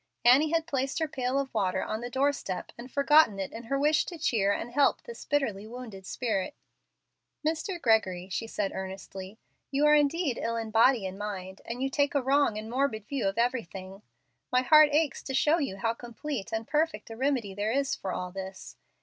Annie had placed her pail of water on the door step and forgotten it in her wish to cheer and help this bitterly wounded spirit. "Mr. Gregory," she said, earnestly, "you are indeed ill in body and mind, and you take a wrong and morbid view of everything. My heart aches to show you how complete and perfect a remedy there is for all this.